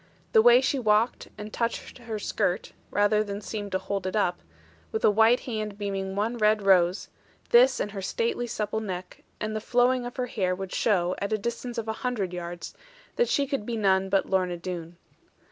The way she walked, and touched her skirt (rather than seemed to hold it up) with a white hand beaming one red rose, this and her stately supple neck, and the flowing of her hair would show, at a distance of a hundred yards, that she could be none but Lorna Doone.